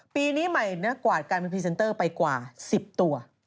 ปีนี้ใหม่กวาดการเป็นพรีเซนเตอร์ไปกว่า๑๐ตัว